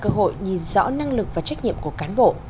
cơ chế thí điểm là cơ hội nhìn rõ năng lực và trách nhiệm của cán bộ